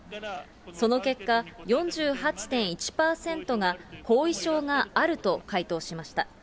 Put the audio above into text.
その結果、４８．１％が、後遺症があると回答しました。